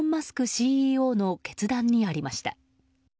ＣＥＯの決断にありました。